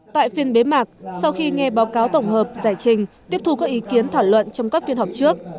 tại phiên bế mạc sau khi nghe báo cáo tổng hợp giải trình tiếp thu các ý kiến thảo luận trong các phiên họp trước